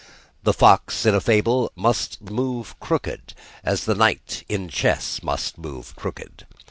The fox in a fable must move crooked, as the knight in chess must move crooked.